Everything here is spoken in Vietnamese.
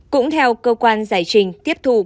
cũng theo cơ quan giải trình tiếp thu